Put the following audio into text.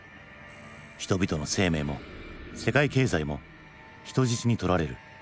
人々の生命も世界経済も人質にとられる。